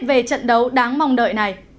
về trận đấu đáng mong đợi này